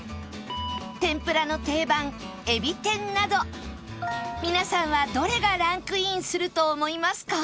天ぷらの定番えび天など皆さんはどれがランクインすると思いますか？